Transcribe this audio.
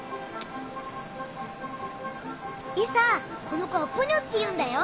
この子はポニョっていうんだよ。